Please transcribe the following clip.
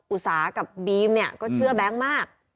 อุตสากับบีมเนี่ยก็เชื่อแบงค์มาก